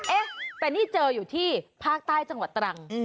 เอ๊ะแต่นี่เจออยู่ที่ภาคใต้จังหวัดตรัง